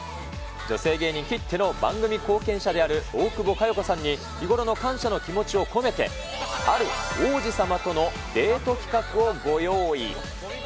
女性芸人きっての番組貢献者である大久保佳代子さんに日頃の感謝の気持ちを込めて、ある王子様とのデート企画をご用意。